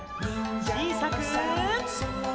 ちいさく。